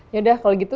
yaudah kalau gitu